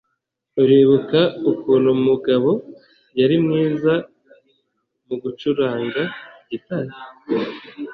Uribuka ukuntu Mugabo yari mwiza mugucuranga gitari?